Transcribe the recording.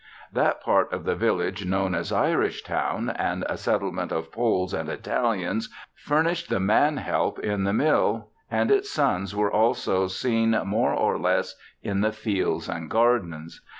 That part of the village known as Irishtown and a settlement of Poles and Italians furnished the man help in the mill, and its sons were also seen more or less in the fields and gardens.